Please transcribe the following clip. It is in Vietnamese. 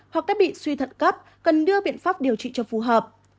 hoặc đã bị suy thận cấp cần đưa biện pháp điều trị cho phù hợp